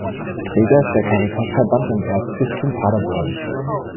Träger ist der Caritasverband im Erzbistum Paderborn.